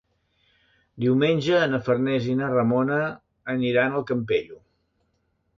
Diumenge na Farners i na Ramona aniran al Campello.